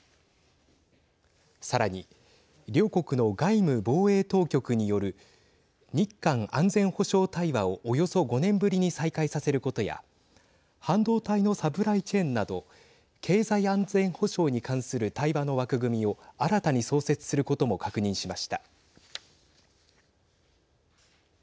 さらに両国の外務・防衛当局による日韓安全保障対話をおよそ５年ぶりに再開させることや半導体のサプライチェーンなど経済安全保障に関する対話の枠組みを新たに創設することも確認しました。